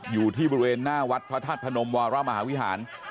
อยู่ที่บริเวณหน้าวัดพระธาตุพนมวรมหาวิหาร